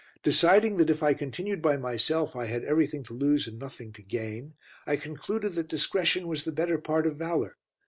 Deciding that if I continued by myself I had everything to lose and nothing to gain, I concluded that discretion was the better part of valour.